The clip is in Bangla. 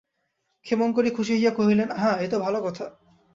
ক্ষেমংকরী খুশি হইয়া কহিলেন, আহা, এ তো ভালো কথা।